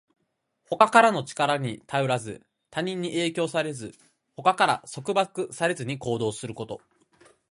他からの力に頼らず、他人に影響されず、他から束縛されずに行動すること。